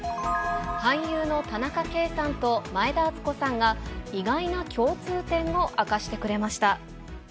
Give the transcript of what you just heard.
俳優の田中圭さんと、前田敦子さんが、意外な共通点を明かしてくれました。